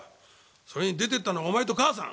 それに出てったのはお前と母さん。